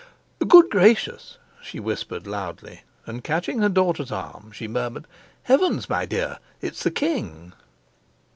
"Good gracious!" she whispered loudly, and, catching her daughter's arm, she murmured, "Heavens, my dear, it's the king!"